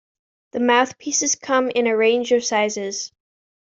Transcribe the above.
The mouthpieces come in a range of sizes.